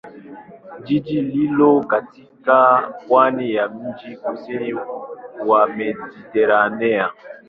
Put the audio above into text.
Jiji lipo katika pwani ya mjini kusini mwa Mediteranea.